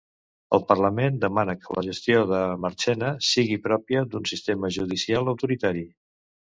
El parlament demana que la gestió de Marchena sigui pròpia d'un sistema judicial autoritari.